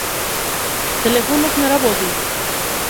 Телефонот не работи.